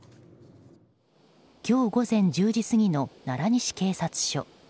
今日午前１０時過ぎの奈良西警察署。